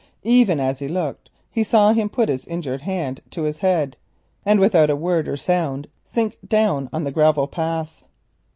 Even as he looked, he saw him put his uninjured hand to his head, and, without a word or a sound, sink down on the gravel path.